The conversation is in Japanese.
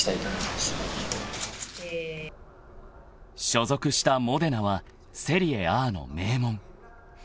［所属したモデナはセリエＡの名門］